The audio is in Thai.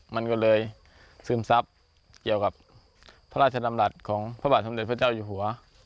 มันก็เลยซึมซับเกี่ยวกับพระราชดำรัฐของพระบาทสมเด็จพระเจ้าอยู่หัว